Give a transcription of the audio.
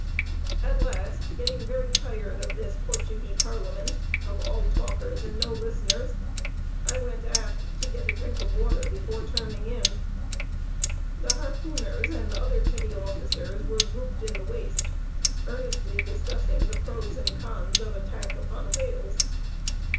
At last, getting very tired of this "Portugee Parliament" of all talkers and no listeners, I went aft to get a drink of water before turning in. The harpooners and other petty officers were grouped in the waist, earnestly discussing the pros and cons of attack upon whales.